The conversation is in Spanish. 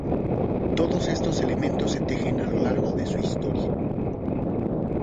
Todos estos elementos se tejen a lo largo de su historia.